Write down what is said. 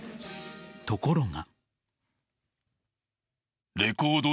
ところが。